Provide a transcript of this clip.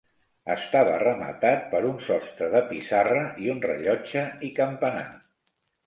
Estava rematat per un sostre de pissarra i un rellotge i campanar.